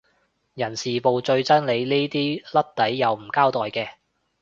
人事部最憎你呢啲甩底又唔交代嘅